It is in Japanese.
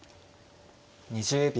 ２０秒。